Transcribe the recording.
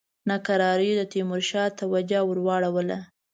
ناکراریو د تیمورشاه توجه ور واړوله.